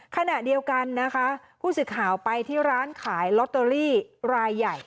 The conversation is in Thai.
ขณะเดียวกันนะคะผู้สื่อข่าวไปที่ร้านขายลอตเตอรี่รายใหญ่